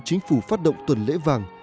chính phủ phát động tuần lễ vàng